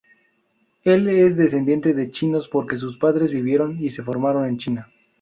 Él es descendiente de chinos porque sus padres vivieron y se formaron en China.